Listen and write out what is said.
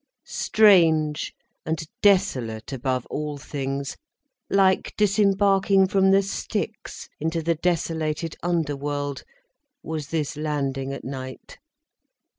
Strange, and desolate above all things, like disembarking from the Styx into the desolated underworld, was this landing at night.